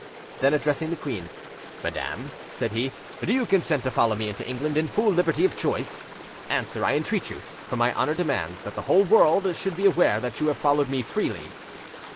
Then, addressing the queen— "Madam," said he, "do you consent to follow me into England in full liberty of choice? Answer, I entreat you; for my honour demands that the whole world should be aware that you have followed me freely."